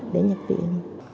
để nhập viện